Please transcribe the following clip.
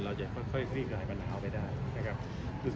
เราจะค่อยที่กลายปัญหาไปได้